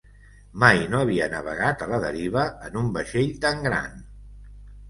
Mai no havia navegat a la deriva en un vaixell tan gran.